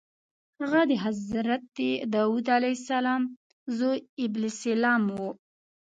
هغه د حضرت داود علیه السلام زوی ابسلام و.